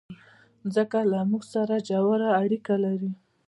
مځکه له موږ سره ژوره اړیکه لري.